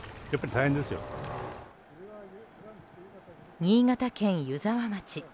新潟県湯沢町。